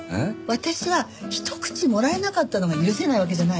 私はひと口もらえなかったのが許せないわけじゃない。